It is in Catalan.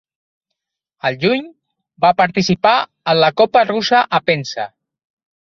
Al juny, va participar en la Copa Russa a Penza.